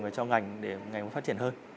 và cho ngành để ngành phát triển hơn